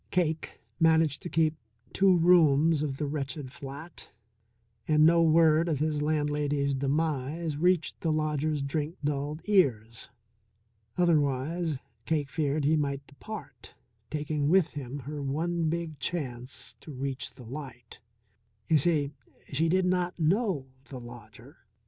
Cake managed to keep two rooms of the wretched flat, and no word of his landlady's demise reached the lodger's drink dulled ears. Otherwise Cake feared he might depart, taking with him her one big chance to reach the light. You see, she did not know the lodger.